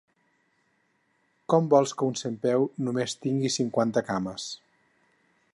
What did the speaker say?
Com vols que un centpeus només tingui cinquanta cames?